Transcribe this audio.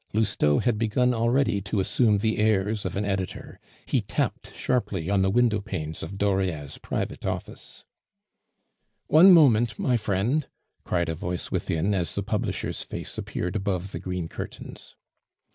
Lousteau had begun already to assume the airs of an editor; he tapped sharply on the window panes of Dauriat's private office. "One moment, my friend," cried a voice within as the publisher's face appeared above the green curtains.